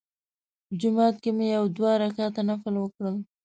جومات کې مې یو دوه رکعته نفل وکړل.